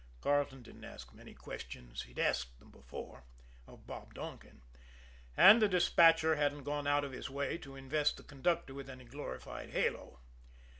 Carleton didn't ask many questions he'd asked them before of Bob Donkin and the despatcher hadn't gone out of his way to invest the conductor with any glorified halo.